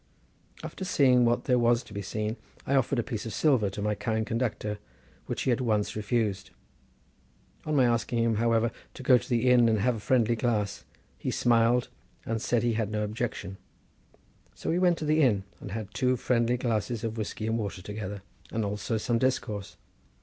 After seeing what there was to be seen, I offered a piece of silver to my kind conductor, which he at once refused. On my asking him, however, to go to the inn and have a friendly glass, he smiled, and said he had no objection. So we went to the inn, and had two friendly glasses of whiskey and water together, and also some discourse.